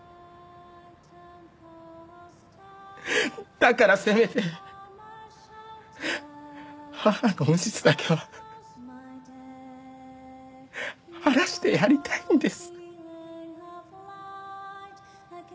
だからせめて母の無実だけは晴らしてやりたいんです。